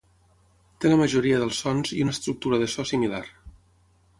Té la majoria dels sons i una estructura de so similar.